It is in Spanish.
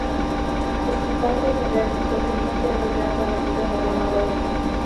Por su parte Ferrer confirmó ser el gran favorito en la rama varonil.